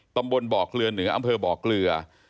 ตำบลบอกเหลือนืออำเภอบอกเหลือ